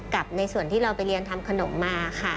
ในส่วนที่เราไปเรียนทำขนมมาค่ะ